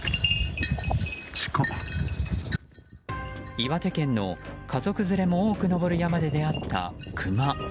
岩手県の家族連れも多く登る山で出会ったクマ。